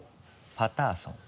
パターソン。